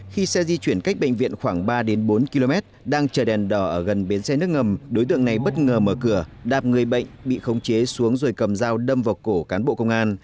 khi xe di chuyển cách bệnh viện khoảng ba bốn km đang chờ đèn đỏ ở gần bến xe nước ngầm đối tượng này bất ngờ mở cửa đạp người bệnh bị khống chế xuống rồi cầm dao đâm vào cổ cán bộ công an